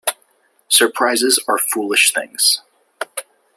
Surprises are foolish things.